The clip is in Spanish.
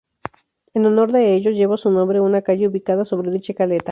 En honor de ello, lleva su nombre una calle ubicada sobre dicha caleta.